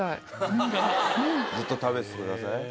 ずっと食べててください。